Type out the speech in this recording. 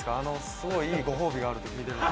すごいいいご褒美があると聞いてるので。